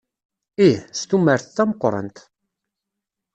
Ih, s tumert tameqqrant.